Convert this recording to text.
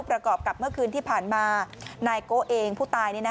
ประกอบกับเมื่อคืนที่ผ่านมานายโก้เองผู้ตาย